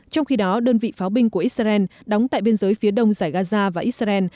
trong khi đó đơn vị pháo binh của israel đóng tại biên giới phía đông giải gaza và israel